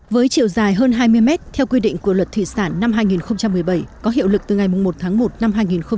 với chiều dài hơn hai mươi mét theo quy định của luật thủy sản năm hai nghìn một mươi bảy có hiệu lực từ ngày một tháng một năm hai nghìn một mươi chín